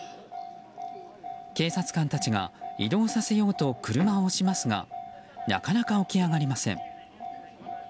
警察官たちが移動させようと車を押しますがなかなか起き上がりません。